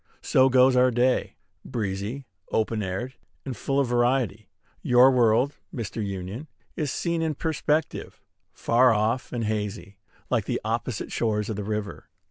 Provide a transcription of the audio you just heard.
So goes our day, breezy, open aired, and full of variety. Your world, Mr. Union, is seen in perspective, far off and hazy, like the opposite shores of the river.